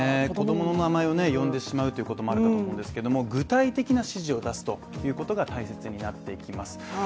子供の名前を呼んでしまうということもあると思うんですけれども、具体的な指示を出すということが大切になってきます。